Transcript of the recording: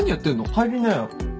入りなよ。